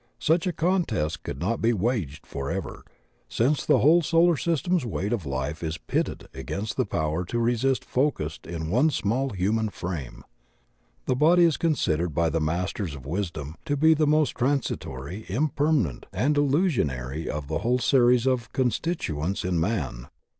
Such a contest could not be waged forever, since the whole solar system's weight of life is pitted against the power to resist focussed in one small human frame. The body is considered by the Masters of Wisdom to be the most transitory, impermanent, and illusion ary of the whole series of constituents in man.